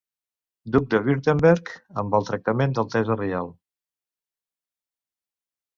Duc de Württemberg amb el tractament d'altesa reial.